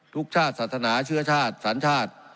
ทุกชาติศาสตร์ธนาชื่อชาติศาลชาติ